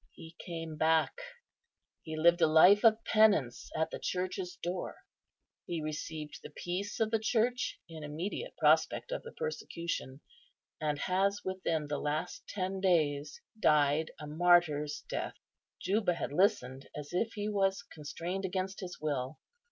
He came back; he lived a life of penance at the Church's door; he received the peace of the Church in immediate prospect of the persecution, and has within the last ten days died a martyr's death." Juba had listened as if he was constrained against his will.